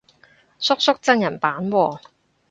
叔叔真人版喎